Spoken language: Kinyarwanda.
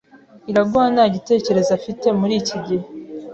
Iraguha nta gitekerezo afite muri iki gihe.